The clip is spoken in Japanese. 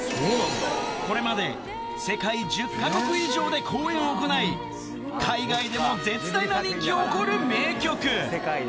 これまで世界１０か国以上で公演を行い、海外でも絶大な人気を誇る名曲。